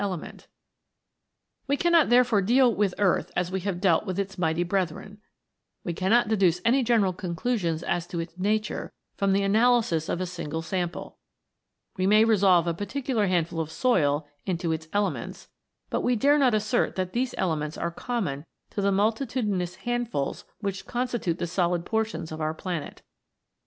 46 THE FOUR ELEMENTS. We cannot therefore deal with Earth as we have dealt with its mighty brethren ; we cannot deduce any general conclusions as to its nature from the analysis of a single sample. We may resolve a particular handful of soil into its elements, but we dare not assert that these elements are common to the multitudinous handfuls which constitute the solid portions of our planet.